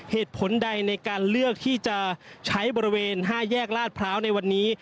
เหตุผลใดในการเลือกที่จะใช้บริเวณ๕แยกลาดพร้าวในวันนี้